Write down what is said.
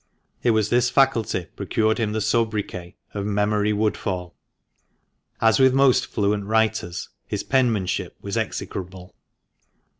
It was this faculty procured him the soubriquet of "Memory Woodfall." AS with most fluent writers, her penmanship was execrable.